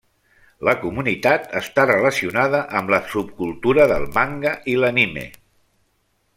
La comunitat està relacionada amb la subcultura del manga i l'anime.